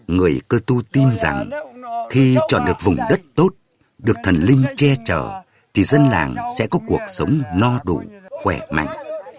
người cơ tu tin rằng khi chọn được vùng đất tốt được thần linh che chở thì dân làng sẽ có cuộc sống no đủ khỏe mạnh